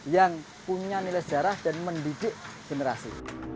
yang punya nilai sejarah dan mendidik generasi